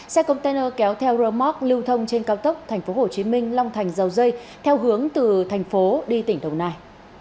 xe container kéo theo rơ móc lưu thông trên cao tốc tp hcm long thành dầu dây theo hướng từ thành phố đi tỉnh đồng nai